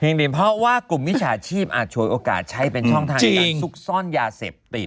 เพียงดินพ่อว่ากลุ่มวิชาชีพอาจชวนโอกาสใช้เป็นช่องทางนำการสุกซ่อนยาเสพติด